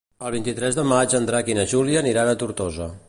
El vint-i-tres de maig en Drac i na Júlia aniran a Tortosa.